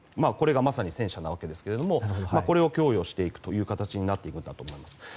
これが、まさに戦車なわけですがこれを供与していくという形になっていくわけです。